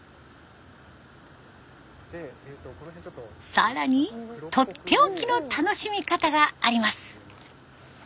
更にとっておきの楽しみ方があります。